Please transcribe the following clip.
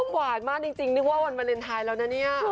เป็นนะ